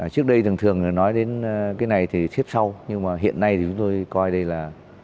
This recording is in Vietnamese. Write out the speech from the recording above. trước đây thường thường nói đến cái này thì xếp sau nhưng mà hiện nay thì chúng tôi coi đây là